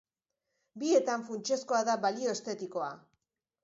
Bietan funtsezkoa da balio estetikoa.